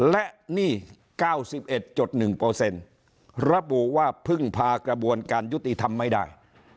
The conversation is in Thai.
และหนี้๙๑๑ระบุว่าพึ่งพากระบวนการยุติธรรมไม่ได้